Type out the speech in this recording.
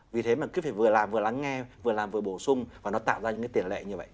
vì thế mà cứ phải vừa làm vừa lắng nghe vừa làm vừa bổ sung và nó tạo ra những cái tiền lệ như vậy